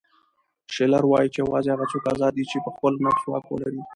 شیلر وایي چې یوازې هغه څوک ازاد دی چې په خپل نفس واک ولري.